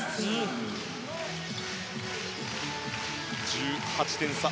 １８点差。